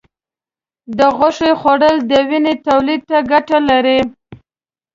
د غوښې خوړل د وینې تولید ته ګټه لري.